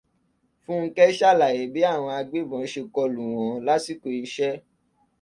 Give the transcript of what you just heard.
Funkẹ́ ṣàlàyé bí àwọn agbébọn ṣe kọlù wọn làsíkò iṣẹ́.